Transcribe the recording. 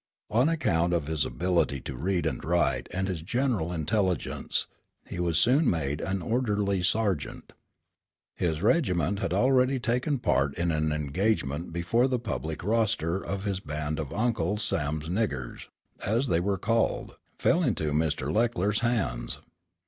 On account of his ability to read and write and his general intelligence, he was soon made an orderly sergeant. His regiment had already taken part in an engagement before the public roster of this band of Uncle Sam's niggers, as they were called, fell into Mr. Leckler's hands.